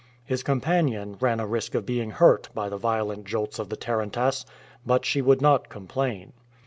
His companion ran a risk of being hurt by the violent jolts of the tarantass, but she would not complain.